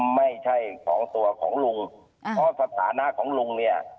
ไม่ใช่ของตัวของลุงเพราะสถานะของลุงเนี่ย